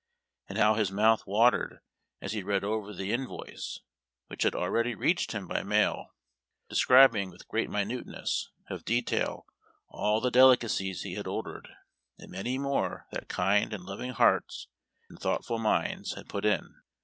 And how his mouth watered as he read over the invoice, which had already reached him by mail, describing with great minuteness of detail all the delicacies he had ordered, and many more that kind and loving hearts and thoughtful minds had put in.